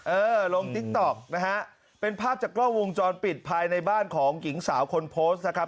เออลงติ๊กต๊อกนะฮะเป็นภาพจากกล้องวงจรปิดภายในบ้านของหญิงสาวคนโพสต์นะครับ